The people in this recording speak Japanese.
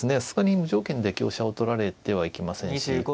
さすがに無条件で香車を取られてはいけませんし